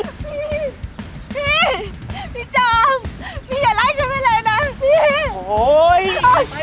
พี่พี่จองพี่อย่าไล่ฉันไปเลยนะพี่